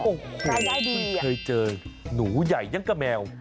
คุณเคยเจอหนูใหญ่อย่างกับแมว